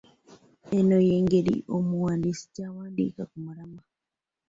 Eno y’engeri omuwandiisi gy’awandiika ku mulamwa.